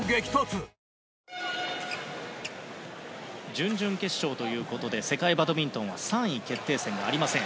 準々決勝ということで世界バドミントンは３位決定戦がありません。